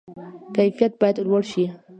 کیفیت باید لوړ شي